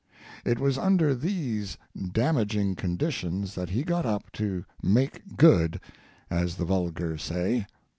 It was under these damaging conditions that he got up to "make good," as the vulgar say.